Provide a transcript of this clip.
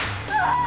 ああ。